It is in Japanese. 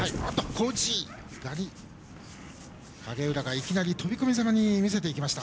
小内刈り、影浦がいきなり飛び込み際に見せていきました。